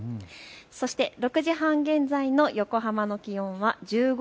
そして６時半現在の横浜の気温は１５．４度。